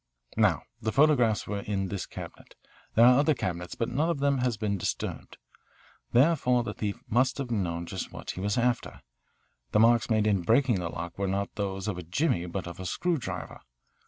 "Now the photographs were in this cabinet. There are other cabinets, but none of them has been disturbed. Therefore the thief must have known just what he was after. The marks made in breaking the lock were not those of a jimmy but of a screwdriver.